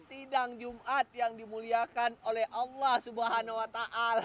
sidang jumat yang dimuliakan oleh allah subhanahu wa ta'ala